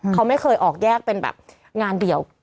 เค้าไม่เคยออกแยกเป็นงานเดี่ยว